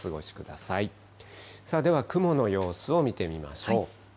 さあ、では雲の様子を見てみましょう。